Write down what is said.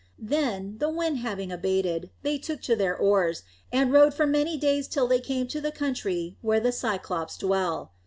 Then, the wind having abated, they took to their oars, and rowed for many days till they came to the country where the Cyclopes dwell.